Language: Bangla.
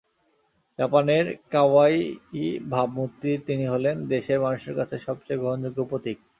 জাপানের কাওয়াইই ভাবমূর্তির তিনি হলেন দেশের মানুষের কাছে সবচেয়ে গ্রহণযোগ্য প্রতীক।